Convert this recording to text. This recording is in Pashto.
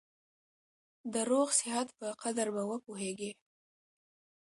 د روغ صحت په قدر به وپوهېږې !